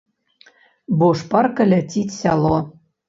Бо шпарка ляціць сяло.